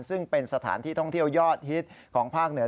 ซึ่งเป็นสถานที่ท่องเที่ยวยอดฮิตของภาคเหนือ